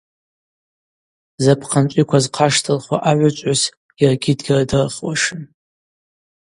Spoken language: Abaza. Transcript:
Запхъанчӏвиква зхъаштылхуа агӏвычӏвгӏвыс йаргьи дгьырдырхуашым.